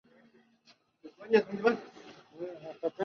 Se ubica en el Condado de Pima, Arizona.